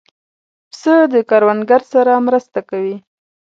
پسه د کروندګر سره مرسته کوي.